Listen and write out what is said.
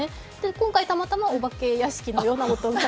今回たまたまお化け屋敷のような音が。